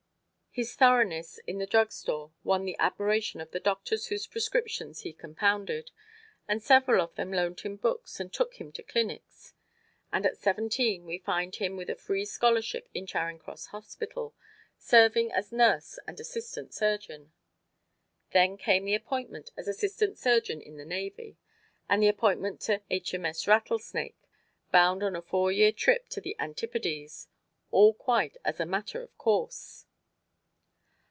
His thoroughness in the drugstore won the admiration of the doctors whose prescriptions he compounded, and several of them loaned him books and took him to clinics; and at seventeen we find him with a Free Scholarship in Charing Cross Hospital, serving as nurse and assistant surgeon. Then came the appointment as assistant surgeon in the Navy, and the appointment to "H.M.S. Rattlesnake," bound on a four year trip to the Antipodes, all quite as a matter of course.